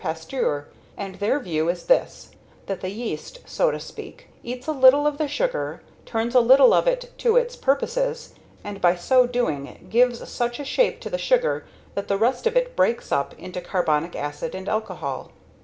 Pasteur, and their view is this, that the yeast, so to speak, eats a little of the sugar, turns a little of it to its own purposes, and by so doing gives such a shape to the sugar that the rest of it breaks up into carbonic acid and alcohol.